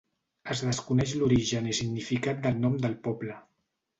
Es desconeix l'origen i significat del nom del poble.